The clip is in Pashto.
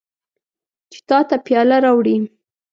چې تا ته پیاله راوړي.